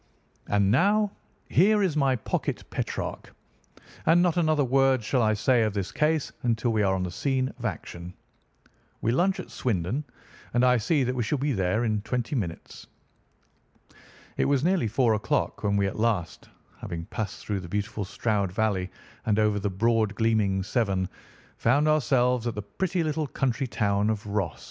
And now here is my pocket Petrarch, and not another word shall I say of this case until we are on the scene of action. We lunch at Swindon, and I see that we shall be there in twenty minutes." It was nearly four o'clock when we at last, after passing through the beautiful Stroud Valley, and over the broad gleaming Severn, found ourselves at the pretty little country town of Ross.